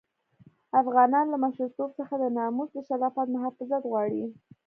افغانان له مشرتوب څخه د ناموس د شرافت محافظت غواړي.